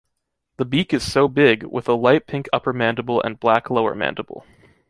The beak is so big with a light pink upper mandible and black lower mandible.